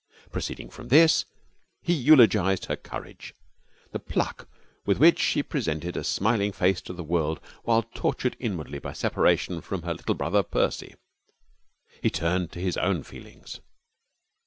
Proceeding from this, he eulogized her courage, the pluck with which she presented a smiling face to the world while tortured inwardly by separation from her little brother Percy. He then turned to his own feelings.